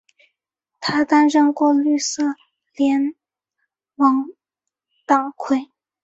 他担任过绿色联盟党魁。